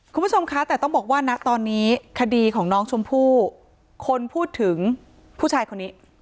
คุณผู้ชมคะแต่ต้องบอกว่าณตอนนี้คดีของน้องชมพู่คนพูดถึงผู้ชายคนนี้